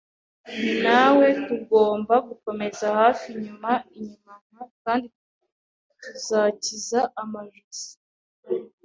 ni; nawe nawe tugomba gukomera hafi, inyuma inyuma nka, kandi tuzakiza amajosi